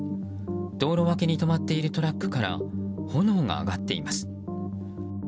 道路脇に止まっているトラックから炎が上がっています。